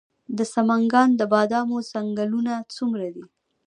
د سمنګان د بادامو ځنګلونه څومره دي؟